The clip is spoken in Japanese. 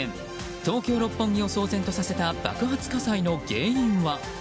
東京・六本木を騒然とさせた爆発火災の原因は。